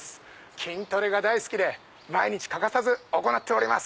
筋トレが大好きで毎日欠かさず行っております。